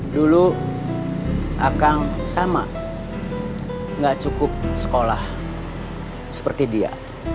dulu akang sama nggak cukup sekolah seperti dia